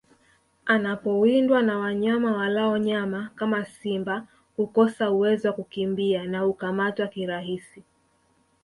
Anapowindwa na wanyama walao nyama kama simba hukosa uwezo wa kukimbia na hukamatwa kirahisi